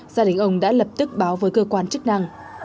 gia đình ông đã lập tức báo với cơ quan chức năng